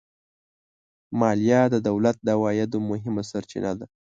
مالیه د دولت د عوایدو مهمه سرچینه ده